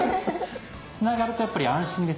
つながるとやっぱり安心ですよね。